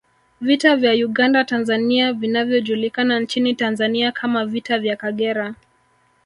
Vita vya Uganda Tanzania vinavyojulikana nchini Tanzania kama Vita vya Kagera